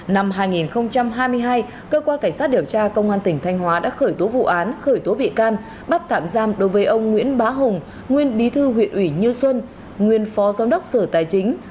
năm hai nghìn hai mươi hai cơ quan cảnh sát điều tra công an tỉnh thanh hóa đã khởi tố vụ án khởi tố bị can bắt tạm giam đối với ông nguyễn bá hùng nguyên bí thư huyện ủy như xuân nguyên phó giám đốc sở tài chính